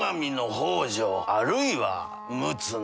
あるいは陸奥の。